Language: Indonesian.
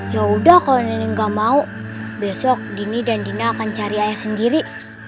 yaudah kalau nenek gak mau besok dini dan dina akan cari ayah sendiri